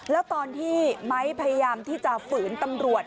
แล้วตอนที่ไม้พยายามที่จะฝืนตำรวจ